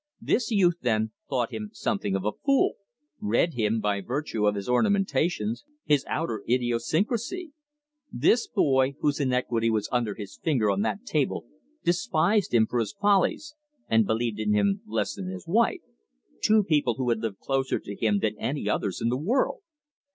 This youth, then, thought him something of a fool: read him by virtue of his ornamentations, his outer idiosyncrasy! This boy, whose iniquity was under his finger on that table, despised him for his follies, and believed in him less than his wife two people who had lived closer to him than any others in the world.